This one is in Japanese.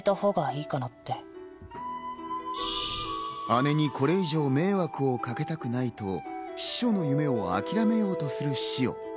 姉にこれ以上迷惑をかけたくないと、司書の夢を諦めようとするシオ。